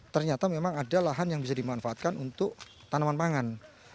ternyata memang ada lahan yang bisa dimanfaatkan untuk tanaman pangan